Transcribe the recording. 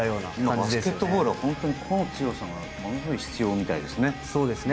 バスケットボールは個の力がものすごい必要みたいですね。